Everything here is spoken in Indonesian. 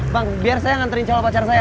bang biar saya nganterin soal pacar saya